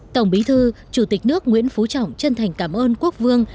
tổng bí thư chủ tịch nước nguyễn phú trọng chân thành cảm ơn quốc vương